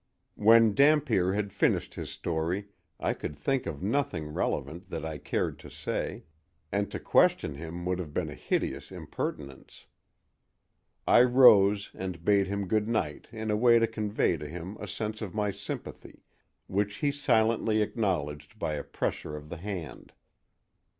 When Dampier had finished his story I could think of nothing relevant that I cared to say, and to question him would have been a hideous impertinence. I rose and bade him good night in a way to convey to him a sense of my sympathy, which he silently acknowledged by a pressure of the hand.